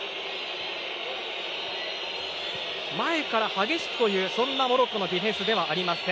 前から激しくというモロッコのディフェンスではありません。